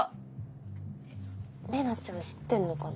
玲奈ちゃん知ってんのかな？